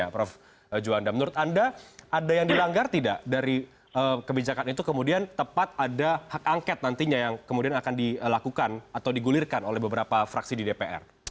prof juwanda menurut anda ada yang dilanggar tidak dari kebijakan itu kemudian tepat ada hak angket nantinya yang kemudian akan dilakukan atau digulirkan oleh beberapa fraksi di dpr